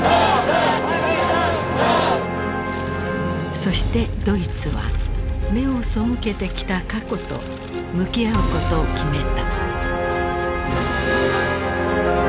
そしてドイツは目を背けてきた過去と向き合うことを決めた。